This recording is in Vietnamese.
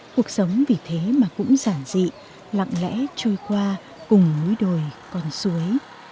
cuộc sống vì thế mà cũng giản dị lặng lẽ trôi qua cùng núi đồi con suối